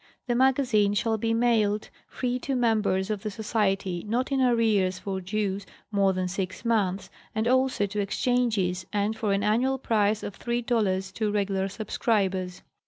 The Magazine shall be mailed free to members of the Society not in arrears for dues more than six months, and also to exchanges, and for an annual price of three dollars to regular subscribers.